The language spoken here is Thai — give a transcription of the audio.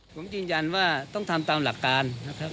ผมจริงจันว่าต้องทำตามหลักการ